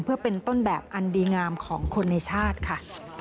เพื่อเป็นต้นแบบอันดีงามของคนในชาติค่ะ